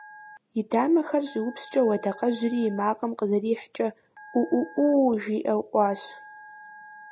И дамэхэр щӀиупскӀэу адакъэжьри и макъым къызэрихькӀэ: Ӏуу Ӏуу Ӏуу! – жиӀэу Ӏуащ.